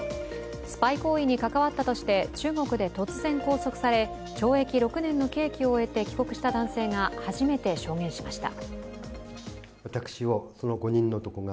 スパイ行為に関わったとして中国で突然、拘束され懲役６年の刑期を終えて帰国した男性が初めて証言しました。